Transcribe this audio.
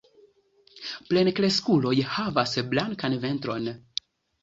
Plenkreskuloj havas blankan ventron.